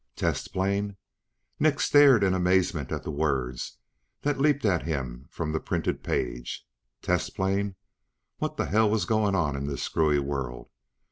Test plane? Nick stared in amazement at the words that leaped at him from the printed page. Test plane? What the hell was going on in this screwy world?